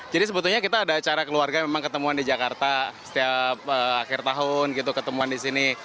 jadi sebetulnya kita ada cara keluarga memang ketemuan di jakarta setiap akhir tahun gitu ketemuan di sini